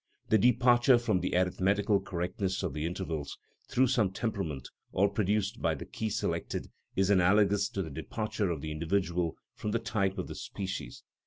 The departure from the arithmetical correctness of the intervals, through some temperament, or produced by the key selected, is analogous to the departure of the individual from the type of the species.